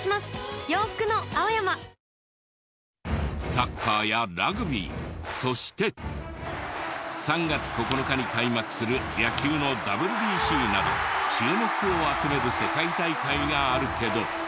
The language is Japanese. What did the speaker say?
サッカーやラグビーそして３月９日に開幕する野球のＷＢＣなど注目を集める世界大会があるけど。